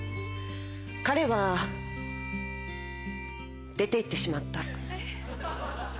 彼は出て行ってしまった。